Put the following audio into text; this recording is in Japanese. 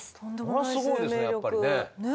それはすごいですねやっぱりね。